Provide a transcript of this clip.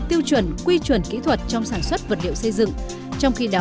xin chào và hẹn gặp lại